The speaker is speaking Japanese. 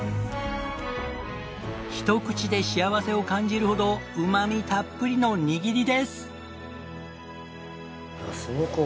ひと口で幸せを感じるほどうまみたっぷりの握りです！